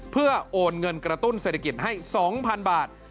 เพื่อโอนเงินกระตุ้นเศรษฐกิจให้๒๐๐๐บาท